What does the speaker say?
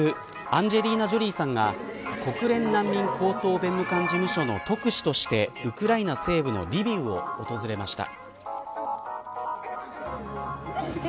アンジェリーナ・ジョリーさんが国連難民高等弁務官事務所の特使としてウクライナ西部のリビウを訪れました。